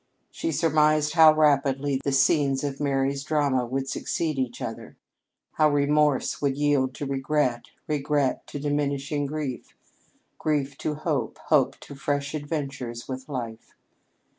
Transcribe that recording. She surmised how rapidly the scenes of Mary's drama would succeed each other; how remorse would yield to regret, regret to diminishing grief, grief to hope, hope to fresh adventures with life.